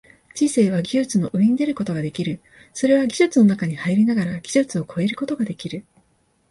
知性は技術の上に出ることができる、それは技術の中に入りながら技術を超えることができる。